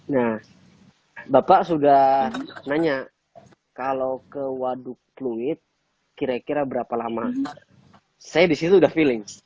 nah bapak sudah nanya kalau ke waduk pluit kira kira berapa lama saya disitu sudah feeling